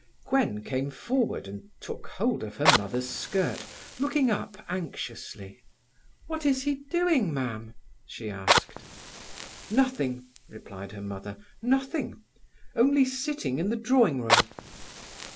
Gwen came forward and took hold of her mother's skirt, looking up anxiously. "What is he doing, Mam?" she asked. "Nothing," replied her mother—"nothing; only sitting in the drawing room."